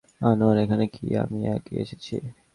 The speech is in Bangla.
আনোয়ার এখানে কি আমি আগে এসেছি?